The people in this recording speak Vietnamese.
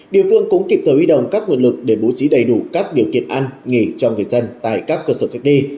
điều phương cũng kịp thời huy động các nguồn lực để bố trí đầy đủ các điều kiện ăn nghỉ cho người dân tại các cơ sở cách ly